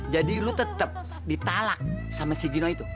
jadi lu tetap ditalak sama si gino itu